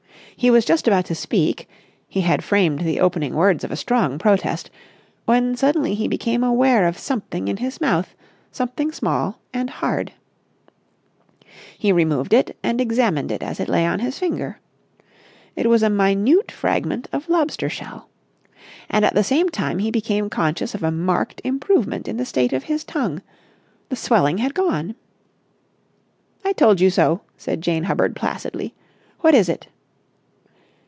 He was just about to speak—he had framed the opening words of a strong protest—when suddenly he became aware of something in his mouth, something small and hard. He removed it and examined it as it lay on his finger. It was a minute fragment of lobster shell. And at the same time he became conscious of a marked improvement in the state of his tongue. The swelling had gone. "I told you so!" said Jane Hubbard placidly. "What is it?"